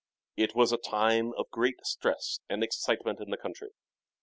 It was a time of great stress and excitement in the country.